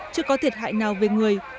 chưa có thiệt hại nào về người